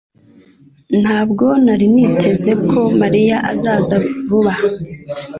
Ntabwo nari niteze ko Mariya azaza vuba.